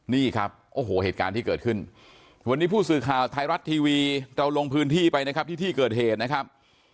นี่ครับโอ้โหเหตุการณ์ที่เกิดขึ้นวันนี้ผู้สื่อข่าวไทยรัฐทีวีเราลงพื้นที่ไปนะครับที่ที่เกิดเหตุนะครับ